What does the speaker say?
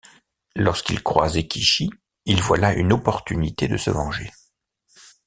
Lorsqu'il croise Eikichi, il voit là une opportunité de se venger.